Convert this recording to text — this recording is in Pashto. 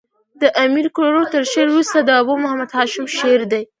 د امیر کروړ تر شعر وروسته د ابو محمد هاشم شعر دﺉ.